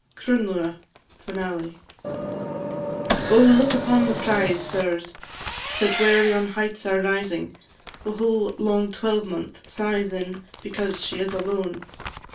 CRUNLUATH (FINALE). Oh, look upon the prize, sirs, That where yon heights are rising, The whole long twelvemonth sighs in, Because she is alone.